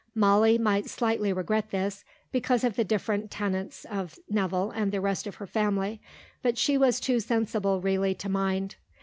Molly might slightly regret this, because of the different tenets of Nevill and the rest of her family; but she was too sensible really to mind.